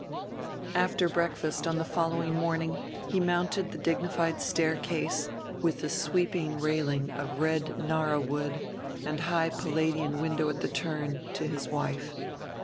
After breakfast on the following morning he mounted the dignified staircase, with the sweeping railing of red narra wood and high Palladian window at the turn, to his wife.